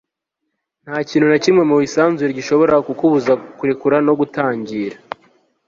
nta kintu na kimwe mu isanzure gishobora kukubuza kurekura no gutangira